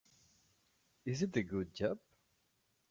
Is it a good job?